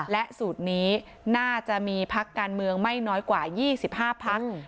และสูตรนี้น่าจะมีพักการเมืองไม่น้อยกว่า๒๕พัก